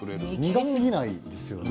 苦すぎないですよね？